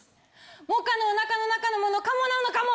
萌歌のお腹の中のものカモなのかも。